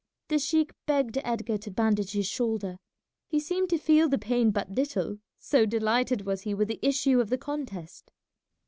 The sheik begged Edgar to bandage his shoulder; he seemed to feel the pain but little, so delighted was he with the issue of the contest.